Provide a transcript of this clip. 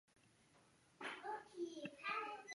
山东乡试第四名。